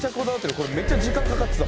これめっちゃ時間かかってた。